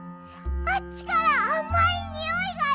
あっちからあまいにおいがする。